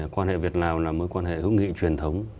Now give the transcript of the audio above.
quan hệ việt lào là mối quan hệ hữu nghị truyền thống